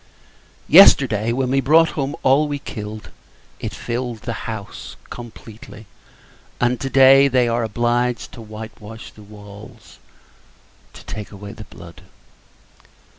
Yesterday, when we brought home all we killed, it filled the house, completely; and, to day, they are obliged to white wash the walls, to take away the blood.